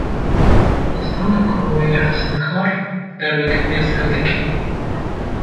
Destana Kawayê Hesinkar, derdikeve ser dikê